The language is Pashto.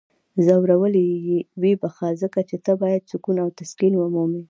ځورولی یی یې؟ ویې بخښه. ځکه چی ته باید سکون او تسکین ومومې!